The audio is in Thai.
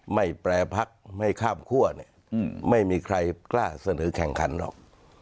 แปรพักไม่ข้ามคั่วเนี่ยไม่มีใครกล้าเสนอแข่งขันหรอก